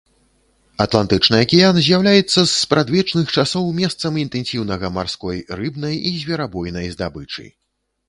Атлантычны акіян з'яўляецца з спрадвечных часоў месцам інтэнсіўнага марской рыбнай і зверабойнай здабычы.